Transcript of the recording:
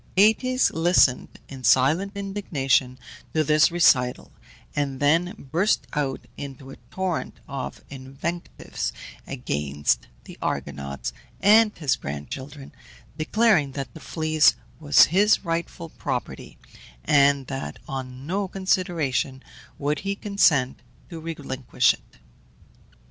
Aëtes listened, in silent indignation, to this recital, and then burst out into a torrent of invectives against the Argonauts and his grand children, declaring that the Fleece was his rightful property, and that on no consideration would he consent to relinquish it.